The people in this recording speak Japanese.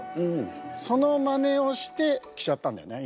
そのまねをして着ちゃったんだよね